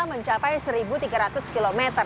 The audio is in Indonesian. mencapai satu tiga ratus km